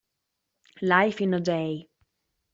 Life in a Day